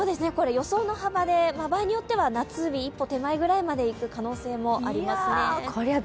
予想の幅で、場合によっては夏日一歩手前になる可能性もありますね。